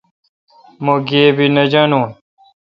مہ گیبی نہ جانون